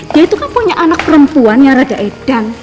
dia itu kan punya anak perempuan yang rada edang